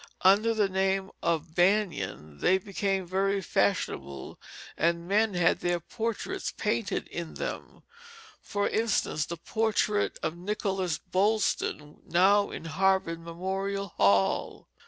Under the name of banyan they became very fashionable, and men had their portraits painted in them, for instance the portrait of Nicholas Boylston, now in Harvard Memorial Hall.